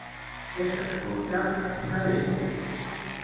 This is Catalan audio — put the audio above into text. Què s'escolta en una d'elles?